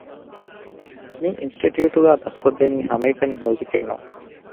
މި އިންސްޓިޓިއުޓުގައި ދަސްކޮށްދެނީ ހަމައެކަނި މިއުޒިކެއް ނޫން